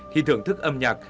thì thưởng thức âm nhạc